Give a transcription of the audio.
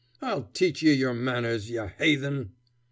I'll teach ye your manners, ye haythen."